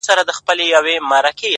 • لږه توده سومه زه؛